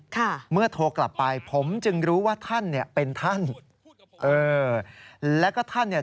ค่ะเมื่อโทรกลับไปผมจึงรู้ว่าท่านเนี่ยเป็นท่านเออแล้วก็ท่านเนี่ย